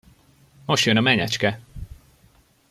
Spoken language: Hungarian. Most jön a menyecske!